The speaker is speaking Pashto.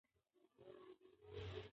سیلانیان له نویو خلکو سره پیژندګلوي کوي.